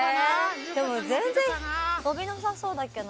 でも全然伸びなさそうだけどな。